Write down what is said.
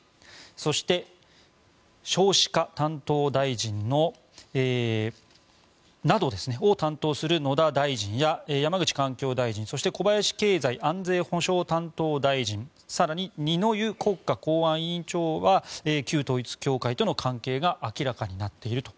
そして、少子化担当大臣などを担当する野田大臣や山口環境大臣そして小林経済安全保障担当大臣更に二之湯国家公安委員長は旧統一教会との関係が明らかになっていると。